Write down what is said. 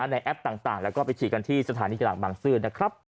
แอปต่างแล้วก็ไปฉีดกันที่สถานีกลางบางซื่อนะครับ